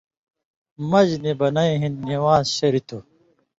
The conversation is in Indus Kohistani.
مژ نہ بنَیں ہِن نِوان٘ز شریۡ تھُو۔